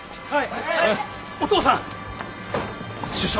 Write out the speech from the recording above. はい。